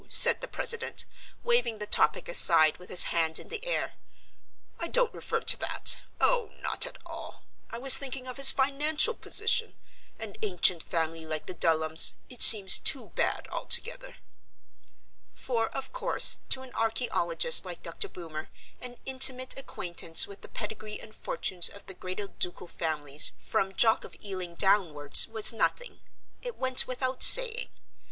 said the president, waving the topic aside with his hand in the air; "I don't refer to that. Oh, not at all. I was thinking of his financial position an ancient family like the Dulhams; it seems too bad altogether." For, of course, to an archaeologist like Dr. Boomer an intimate acquaintance with the pedigree and fortunes of the greater ducal families from Jock of Ealing downwards was nothing. It went without saying.